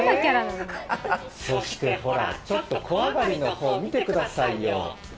そしてほら、ちょっと小上がりの方、見てくださいよ。